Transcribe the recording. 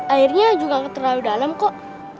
airnya juga terlalu dalam kok